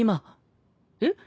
えっ？